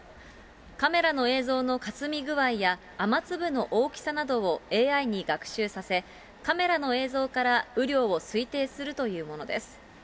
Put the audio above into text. カメラの映像のかすみ具合や、雨粒の大きさなどをＡＩに学習させ、カメラの映像から雨量を推定するというものです。